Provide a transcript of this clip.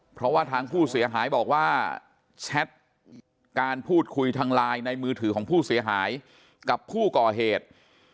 เพราะว่าทางผู้เสียหายบอกว่าแชทการพูดคุยทางไลน์ในมือถือของผู้เสียหายกับผู้ก่อเหตุ